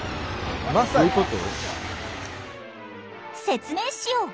説明しよう。